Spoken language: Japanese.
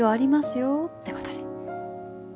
よってことで。